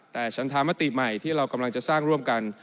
แต่ฉันธรรมติใหม่ที่เรากำลังจะสร้างร่วมกัน